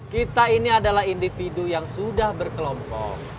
kita ini adalah individu yang sudah berkelompok